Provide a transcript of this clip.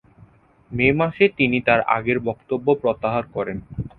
মে মাসে, তিনি তার আগের বক্তব্য প্রত্যাহার করেন।